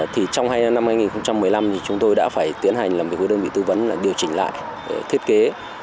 trong năm hai nghìn một mươi năm chúng tôi đã phải tiến hành làm việc với đơn vị tư vấn điều chỉnh lại thiết kế